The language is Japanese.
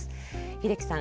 英樹さん